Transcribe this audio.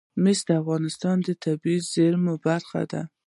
مس د افغانستان د طبیعي زیرمو برخه ده.